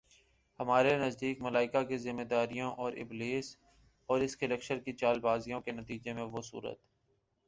ہمارے نزدیک، ملائکہ کی ذمہ داریوں اور ابلیس اور اس کے لشکر کی چالبازیوں کے نتیجے میں وہ صورتِ